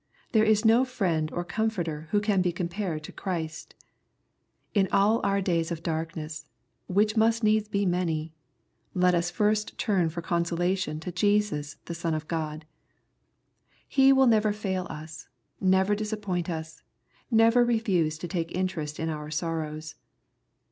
There is no friend or comforter who can be compared to Christ. In all oui days of darkness^ which must needs be many, let us first turn for consolation to Jesus the Son of God. He will never fail us, never disappoint us, never refuse to take interest in our sorrows.